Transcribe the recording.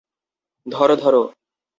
ধরো, ধরো।